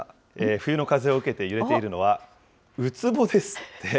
冬の風を受けて揺れているのは、ウツボですって。